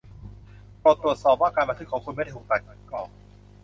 โปรดตรวจสอบว่าการบันทึกของคุณไม่ถูกตัดออก